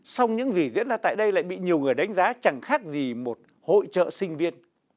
song những gì diễn ra tại đây lại bị nhiều người đánh giá chẳng khác gì một hội trợ sinh viên